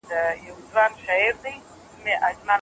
خړې اوبه د باران په وخت کې ډېرې وي.